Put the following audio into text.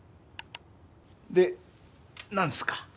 でなんですか？